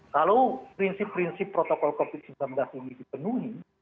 kalau prinsip prinsip protokol covid sembilan belas ini dipenuhi